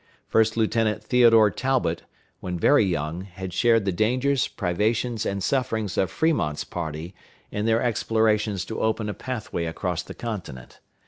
First Lieutenant Theodore Talbot, when very young, had shared the dangers, privations, and sufferings of Fremont's party in their explorations to open a pathway across the continent.